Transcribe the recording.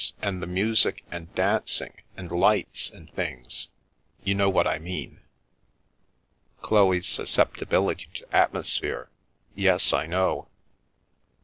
And the music, and dancing, and lights, and things — you know what I mean " "Chloe's susceptibility to atmosphere? Yes, I know.